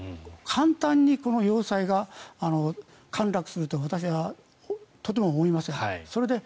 簡単にこの要塞が陥落するとは私はとても思えません。